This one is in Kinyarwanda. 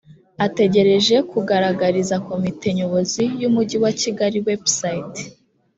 ategereje kugaragariza komite nyobozi y umujyi wa kigali website